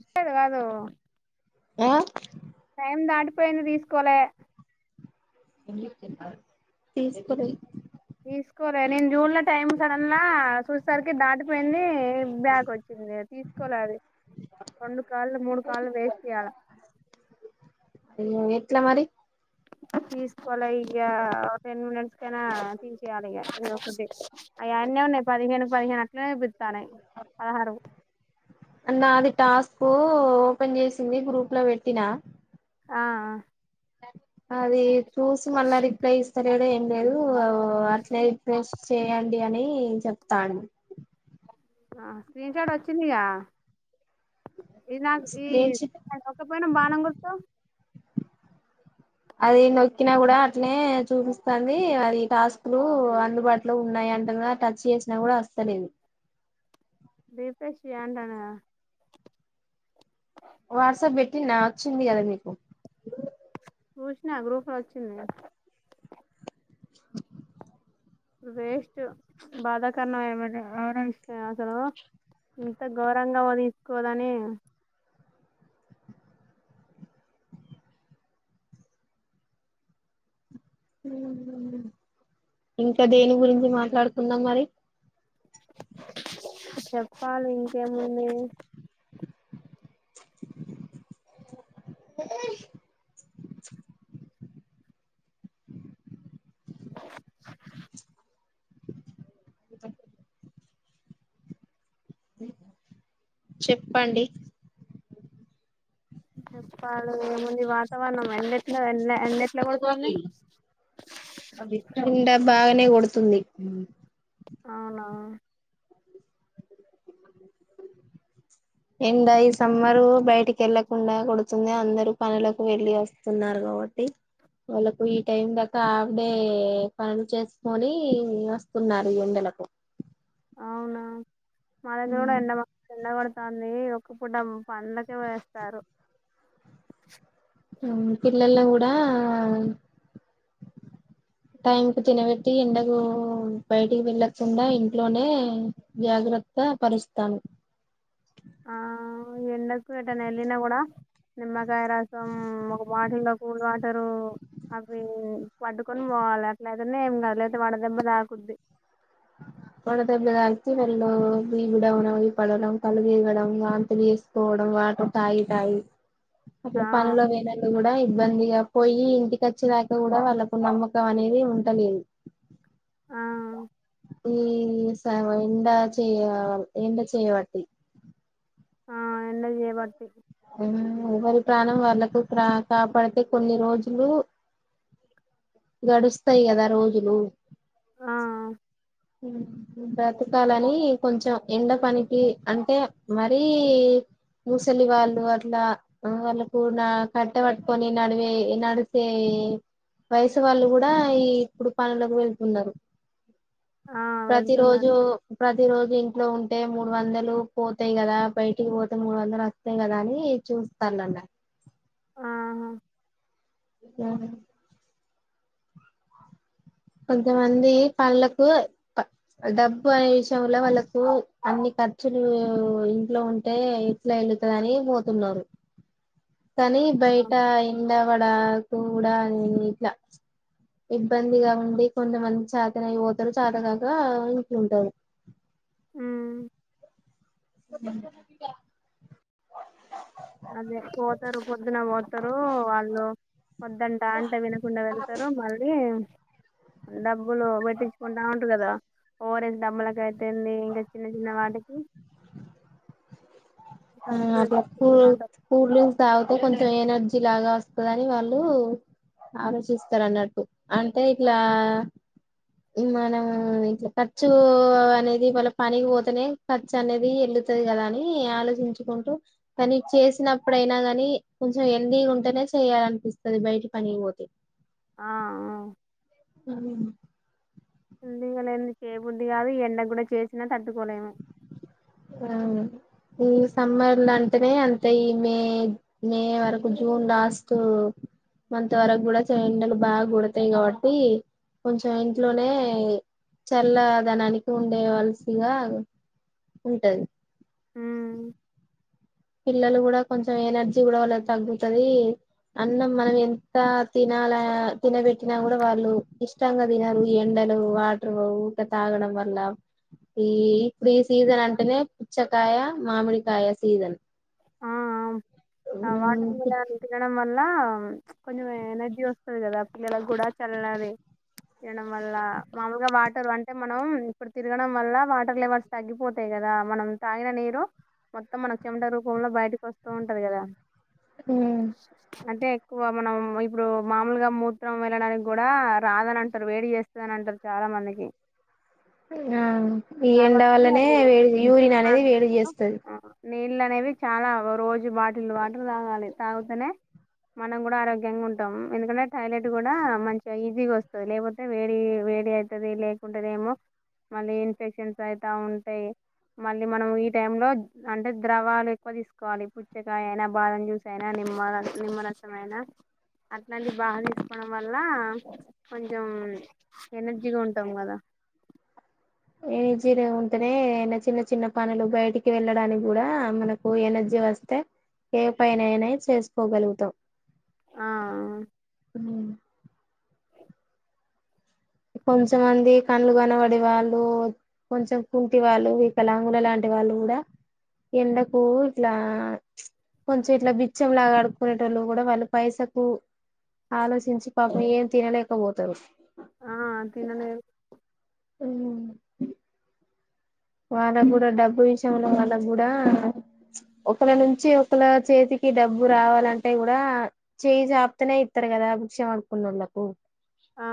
చిట్టీల్ గాదు నా టైం దాటిపోయింది తీసుకోలే తిసుకోలే తీసుకోలే నేను జూడ్లే టైం సడన్ లా చూసేసరికి దాటిపోయింది. ఇస్ బ్యాగ్ వచ్చిందే తీ కొనాలి రెండు కాల్ మూడు కాల్ వేస్ట్ చెయ్యాల ఇగా ఎట్లా మరి తీసుకోలే ఇగ ఒ టెన్ మినిట్స్ కైనా తీసేయాలి ఇగ ఎదోఒకటి అయి అన్నే పదిహేను పదిహేను అట్లనే చూత్తన్నయి పదహారు అన్న అది టాస్కు ఓపెన్ చేసింది గ్రూప్ లో పెట్టిన ఆ హా అది చూసి మళ్ళ రిప్లై సరిచేయడం ఏం లేదు అట్లా రిఫ్రెష్ చేయండి అని చెప్తాండు ఆ స్క్రీన్ షాట్ వచ్చిందిగా ఇది నాకు ఈ స్క్రీన్ షాట్ పంప పోయినా బాణం గుర్తు అది నొక్కినా కూడా అట్నే చూపిస్తాంది. అది టాస్కులు అందుబాటులో ఉన్నాయి వెంటనే టచ్ చేసినా కూడా వస్తా లేదు రీ ఫ్రెష్ చెయ్యండనే వాట్సాప్ పెట్టినా వచ్చింది కదా మీకు చూసిన గ్రూపు లో వచ్చింది వేస్ట్ బాధాకరణం ఏమంట [unintelligible] ఇంత ఘోరంగా వదించుకోదని ఇంకా దేని గురించి మాట్లాడుకుందాం మరి చెప్పాలి ఇంకేముంది చెప్పండి చెప్పాలి ఇంకేముంది వాతావరణం ఎట్లెట్లో వెళ్ల ఎండా బాగనే కొడుతుంది అవునవును ఎండా ఈ సమ్మరు బయటికి వెళ్ళకుండా కొడుతుంది అందరు పనులకు వెళ్లి వస్తున్నారు ఓటి వాళ్ళకు ఈ టైం దాకా హాఫ్ డే పనులు చేసుకొని వస్తున్నారు ఈ ఎండలకు మనది కూడా ఎండ ఎండబడుతాంది ఇప్పుడం పండక్కి పోయేస్తారు పిల్లల్ని కూడా టైం కు తినబెట్టి, ఎండకు బయటికి వెళ్ళకుండా ఇంట్లోనే జాగ్ర త్త పరుస్తారు ఆ ఎండకు ఎటన్న వెళ్ళిన కూడా నిమ్మకాయ రసం ఒక బాటిల్లో కూ [unintelligible] అవి పట్డుకొని పోవాలి అట్లయితేనే ఏం గాదు లేకపోతే వడదెబ్బ తాకుద్ది వడదెబ్బ దాకితే వెళ్ళు బీ పి డౌనయి పడడం, కళ్ళు తిరగడం, వాంతలు చేసుకోవడం వాటర్ తాగి తాగి ఆ అట్లా పనిలో పోయినంక కూడా ఇబ్బందిగా పోయి ఇంటికొచ్చే దాక కూడా వాళ్ళలకు నమ్మకం అనేది ఉండలేదు ఆ ఈ [unintelligible] ఎండ చే ఎండ చేయబట్టి ఆ ఎండ చేయబడతాయి ఎవరి ప్రాణం వాళ్ళకు కాపాడితే కొన్ని రోజులు గడుస్తాయి కదా రోజులు ఆ బ్రతకాలని కొంచెం ఎండ పనికి అంటే మరిీ ముసలి వాళ్ళు అట్లా వాళ్ళకు కట్టె పట్టుకొని నడివే నడితేే వయసు వాళ్ళు కూడా ఈ ఇప్పుడు పనులోకి వెళ్తున్నారు ఆ వెళ్తున్నారు ప్రతిరోజు ప్ర ప్రతి రోజు ఇంట్లో ఉంటే మూడు వందలు పోతాయి కదా బయటికి పోతే మూడు వందలు వస్తాయి కదా అని చూ ఇస్తాండ్రంట ఆహా మ్మ్ కొంతమంది పనులకు డబ్బు అనే విషయంలో వాళ్ళకు అన్ని ఖర్చులు, ఇంట్లో ఉంటే ఈట్లె ఎళ్లుతదని బోతున్నారు. కనీ, బయిట ఎండావడా. ! కూడా ఇట్లా ఇబ్బందిగా ఉన్. దె కొందమంది చేతనై బోతారు, చేతగాక ఇంట్లుంటారు. ఉమ్మ్. [inaudible] అదే పోతారు, పొద్దున బోతారు వాళ్ళు. వద్దంటాంటే వినకుండా వెళ్తారు మళ్ళీ, ఉండబ్. బ్బులు బెట్టించుకుంటాంట్రు గదా. ఓఆరెస్ డమ్ములకైతెంది, ఇంకా చిన్న చిన్న వాటి. ఆ ఖర్చులు అప్పుడు పెట్టించుకుంటా కూల్, ఉంటారు కూల్డ్రింక్స్ తాగుతే కొంచెం ఎనర్జ్. ర్జీ లాగా వస్తాదని వాళ్ళూ. ఆలోచిస్తారన్నట్టు. అంటే ఇట్లా. ఊ మనం ఇట్లా ఖర్చూ అనేది వాళ్ళ పనికి బోతేనే ఖర్చనేది ఎల్లు. తది గదా అనీ ఆలోచిం. చుకుంటూ, పనీ చేసినప్పుడైనా గానీ కొంచెం హెల్దీగా ఉంటేనే చేయాలనిపిస్తది బయటి ప. పనీబోతే. ఆ ఆ. ఉహు. హెల్దిగాలేంది చేబుద్ది గాదు, ఈ ఎండ గూడా చేసినా తట్టుకోలేము. అవును. ఈ సమ్మర్లంటేనే అంతే ఈ మే, మే వరకు జూన్ లాస్ట్. మంత్ వరగూడా చె ఎండలు బాగొడతాయి గాబట్టి, కొంచెం ఇంట్లోనే. చల్ల దనానికి ఉండేవల్సిగా, ఉంటది. ఉమ్ పిల్లలు గూడా కొంచెం ఎనర్జీ గూడా వాళ్ళాతగ్గుతుది. అన్నం మనం ఎంత తినాలా, తినబెట్టినా గూడా వాళ్ళు ఇష్టంగా దినరు ఈ ఎండ. లు వాట్రు ఊక తాగడం వల్లా. ఈ ఇప్పుడీ సీజన్ అంటేనే పుచ్చకాయ, మామిడికాయ సీజన్. ఆ ఆ వాటర్మిలన్ తినడం వల్ల. లా కొంజెం ఎనర్జీ వస్తది గదా పిల్లలగూడా చల్లది. తిన్డం వల్ల. మామూల్గా వాటర్ అంటే మనం ఇప్పుడు తిరగడం వల్ల వాటర్ లెవల్స్ తగ్గిపోతై గ. గదా మనం తాగిన నీరు మొత్తం మన చెమట రూపంలో బయటకొస్తూ ఉంటది గదా. ! ఊహ్మ్. క్కువ మనం ఇప్పుడు మామూలుగా మూత్రం వెళ్ళడాని గూడా రాదనంటారు వేడి జేస్తాదనంటరు చా. లా మందికి. న్హా ఈ ఎండ కాబట్టి వల్లనే, అది వేడి యూరిననేది వేడి జేస్తది. నీళ్లనేవి చాలా రోజు బాటిల్ వాటర్ దాగాలి తాగుతేనే. మనం గూడా ఆరోగ్యంగుంటాం. ఎందుకంటే, టాయిలెట్ గూడా మంచిగా ఈజీగా ఒస్తది లేపోతే వేడి. వేడి ఐతది లేకుంటెనేమో మళ్ళీ ఇన్ఫెక్షన్స్ అయితా ఉంటై. మళ్ళీ మనం ఈ టైంలో అంటే ద్రవాలు ఎక్కువ దీసుకోవాలి పుచ్చకాయ అయినా, బాదం జ్యూస్ అయినా. నిమ్మర., నిమ్మరసమైనా. అట్లాంటి బా తీస్కోడం వల్ల, కొంచెం ఎనర్జీగా ఉంటాం గదా. ఎనర్జీలో ఉంటేనే ఏనా చిన్న చిన్న పనులు, బయిటికి వెళ్ళడాని గూడా మనకు ఎనర్జీ. వస్తే ఏ పైనైనా చేస్కోగలుగుతాం. ఆఆ. కొంచమంది కండ్లు గనబడి వాళ్ళు. కొంచం కుంటి వాళ్ళు, వికలాంగుల లాంటి వాళ్ళు గూడా. ఎండకు ఇట్లా ప్చ్. కొంచెం ఇట్లా బిచ్చం లాగా ఆడుకునేటోళ్ళు కూడా వాళ్ళు పైసకు ఆలోచించి పాప్ ఏం తినలేకపోతారు ఆ తిననే ఉమ్ వాళ్ళ కూడా డబ్బు విషయంలో వాళ్ళ కూడా ఒకళ నుంచి ఒకళ చేతికి కి డబ్బు రావాలంటే కూడా చేయి జాపుతనే ఇస్తారు కదా భిక్షం అనుకున్న వాళ్ళలకు ఆ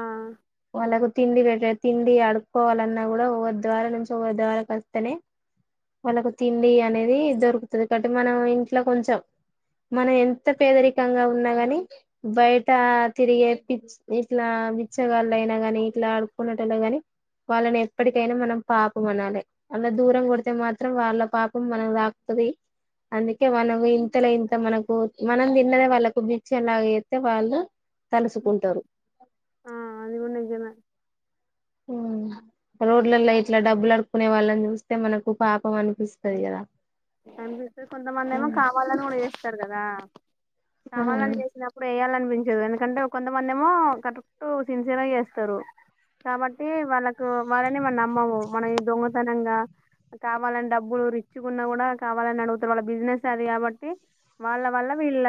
వాళ్ళకు తిండీ తిండి ఆడుకోవాలన్నా కూడా రి ద్వార నుంచి ద్వారాకు వస్తేనే వాళ్ళకు తిండి అనేది దొరుకుతుంది కాబట్టి మనం ఇంట్లో కొంచెం మనం ఎంత పేదరికంగా ఉన్నా గాని బయట తిరిగే [unintelligible] ఇట్లా బిచ్చగాళ్లు అయినాగాని ఇట్లా ఆడుకున్నట్లా గాని వాళ్ళని ఎప్పటికైనా మనం పాప మనాలి అలా దూరం కొడితే మాత్రం వాళ్ళ పాపం మనకు దాకుతది అందుకే మనం ఇంతలో ఇంత మనకు మనం తిన్నదే వాళ్ళకు బిక్షలాగ ఎతే వాళ్ళు తలుసుకుంటారు ఆ అది కూడా నిజమే రోడ్లలో ఇట్లా డబ్బులు అడుకునే వాళ్ళని చూస్తే మనకు పాపం అనిపిస్తుది కదా కనిపిస్తే కొంతమంది ఏమో కావాలని ఊడి చేస్తారు కదా ఆ కమల్ని చేసినప్పుడు వేయాలని చూపించదు ఎందుకంటే కొంతమంది ఏమో కరెక్ట్ సిన్సియర్ గా చేస్తారు కాబట్టి వాళ్ళకు వాళ్ళని మన నమ్మము మనం ఈ దొంగతనంగా కావాలని డబ్బులు రిచ్చుకున్నా కూడ కావాలని అడుగుతారు వాళ్ళ బిజినెస్ అది కాబట్టి వాళ్ళ వల్ల వీళ్ళ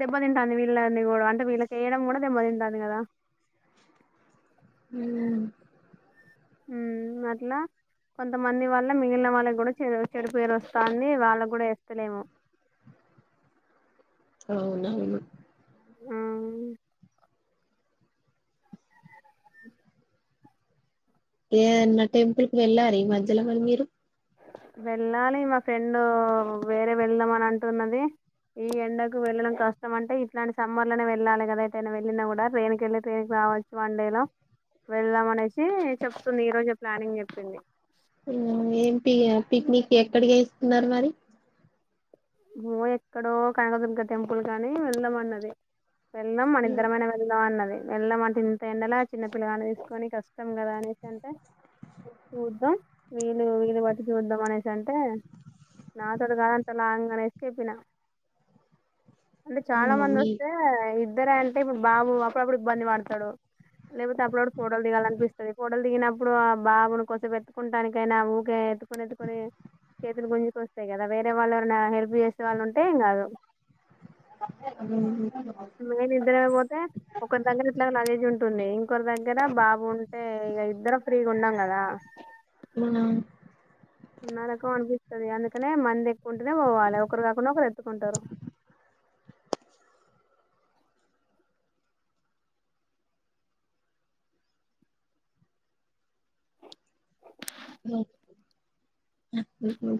దెబ్బతింటుంది వీళ్ళని కూడా అంటే వీళ్ళకి వేయడం కూడా దెబ్బతింటుంది కదా హు ఉ అట్లా కొంతమంది వాళ్ళ మిగిలిన వాళ్ళకి కూడా చె చెడు పేరు వస్తంది వాళ్ళకి కూడా వేస్తలేమో అవునవును ఆ ఏ నా టెంపుల్ కి వెళ్ళారు ఈ మధ్యలో మలి మీరు వెళ్ళాలి మా ఫ్రెండ్ వేరే వెళ్దాం అని అంటున్నది ఈ ఎండకు వెళ్ళడం కష్టం అంటే ఇట్లాంటి సమ్మర్ లోనే వెళ్ళాలి కదా అయితే వెళ్ళా కూదా ట్రైన్కి వెళ్ళి రావచ్చు వన్ డే లో వెళ్దాం అనేసి చెప్తుంది ఈ రోజు ప్లానింగ్ చెప్పింది హ్మ్. ఏం పి పిక్నిక్ ఎక్కడికి ఇస్తున్నారు మరి ఎక్కడో కనకదుర్గ టెంపుల్ గాని వెళ్దంమన్నది వెళ్ళడం మన ఇద్దరమైన వెళ్దం అన్నది వెళ్లం అంటేంత ఎండలా చిన్న పిల్లగాని తీసుకొని కష్టం ష్టం కదా అనేసి అంటే చూద్దాం వీళ్లు వీలు బతికి వద్దాం అనేసి అంటే నా తడు కానీంత లాంగ్ [unintelligible] అంటే చాలా హ్మ్. మంది మీ వస్తే ఇద్దర అంటే ఇప్పుడు బాబు అప్పుడప్పుడు ఇబ్బంది పడతాడు లేకపోతే అప్పుడు కూడా ఫోటలు దిగాాల అనిపిస్తుంది ఫోటలు దిగినప్పుడు ఆ బాబుని కోసం ఎట్టుకుంటానికైనా ఊరికే కుని చేతులు గుజుకు వస్తాయి కదా వేరే వాళ్ళ ఎ చేసే వాళ్ళు ఉంటే ఏం కాదు అ మెయిన్ ఇద్దర అయిపోతే ఒక దగ్గర ఇట్లా నాలెడ్జ్ ఉంటుంది ఒక్కరి దగ్గర బాబుంటే ఇక ఇద్దరం ఫ్రీగా ఉన్నాం కదా అవునవును ఉన్న రకం అనిపిస్తుంది అందుకనే మంది ఎక్కుంటేనే పోవాలి ఒకరు కాకుండా ఒకరు ఎత్తుకుంటారు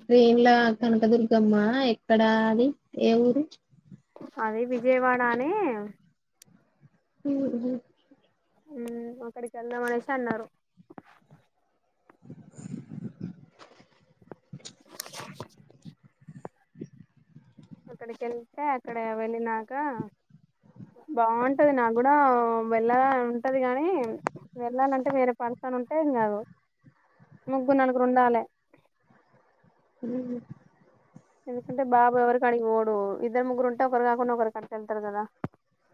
ట్రైన్ల కనకదుర్గమ్మా ఎక్కడ ఆది ఏ ఊరు అదే విజయవాడనే హ్మ మ్మ్ అక్కడికి వెళ్దామనేసి అన్నారు అక్కడికి వెళ్తే అక్కడ వెళ్ళినాక బాగుంటది నా కూడా వెళ్ళలి అని ఉంటది కాని వెళ్ళాలంటే వేరే పని తను ఉంటేం ఇగ ముగ్గురూ నలుగురు ఉండాలే మ్మ్ హ్మ్ ఎందుకంటే బాబు ఎవరికడికి పోడు ఇద్దరు ముగ్గురు ఉంటే ఒకరు కాకుండా ఒకరికి కట్టేస్తారు కథ